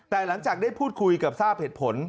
แต่หลังจากได้พูดคุยกับทราบเหตุผล